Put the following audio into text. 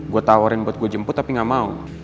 gue tawarin buat gue jemput tapi gak mau